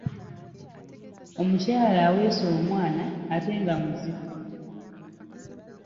Omukyala aweese omwana ate nga muzito.